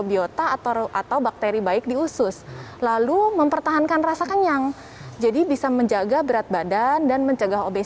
beras berwarna mengandung serat lebih tinggi dibandingkan beras putih